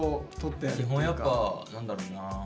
基本やっぱ何だろうな。